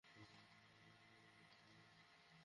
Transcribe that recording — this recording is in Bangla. সে একজন জালিয়াত, একজন যুদ্ধাপরাধী।